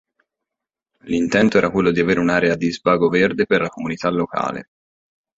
L'intento era quello di avere un'area di svago verde per la comunità locale.